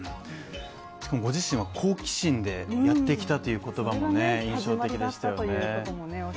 しかもご自身は好奇心でやってきたという言葉も印象的でしたよね。